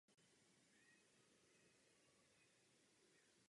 Je schopný hrát ve středu obrany nebo na jejím levém kraji.